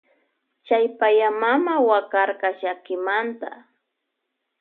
Chay paya mama wakarka llakimanta.